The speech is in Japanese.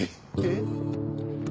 えっ？